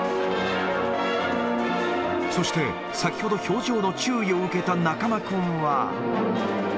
そして、先ほど表情の注意を受けた中間君は。